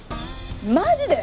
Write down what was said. マジで？